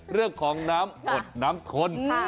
เรื่องของน้ำอดน้ำทน